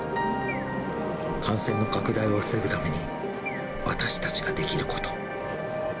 感染の拡大を防ぐために、私たちができること。